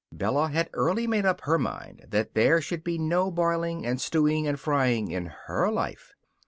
Bella had early made up her mind that there should be no boiling and stewing and frying in her life.